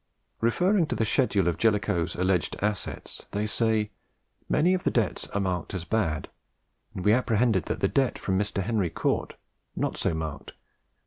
Referring to the schedule of Jellicoe's alleged assets, they say "Many of the debts are marked as bad; and we apprehend that the debt from Mr. Henry Cort, not so marked, of 54,000L.